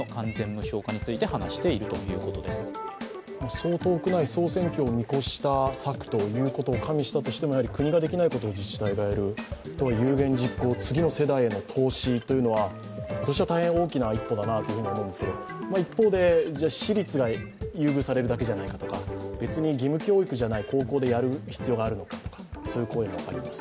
そう遠くない総選挙を見通した策としたと加味しても国ができないことを自治体がやる、有言実行、次の世代への投資というのは私は大変大きな一歩だなと思うんですけど一方で、じゃあ私立は優遇されるだけじゃないかとか別に義務教育じゃない高校でやる必要があるのかとか、そういう声もあります。